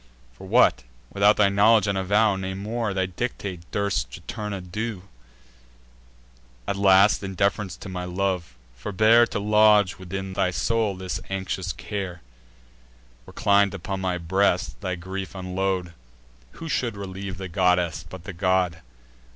For what, without thy knowledge and avow, Nay more, thy dictate, durst Juturna do? At last, in deference to my love, forbear To lodge within thy soul this anxious care; Reclin'd upon my breast, thy grief unload: Who should relieve the goddess, but the god?